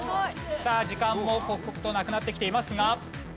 さあ時間も刻々となくなってきていますが。